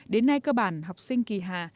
đến nay cơ bản học sinh kỳ hà